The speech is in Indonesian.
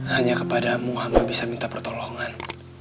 hanya kepada mu hama bisa minta pertolongan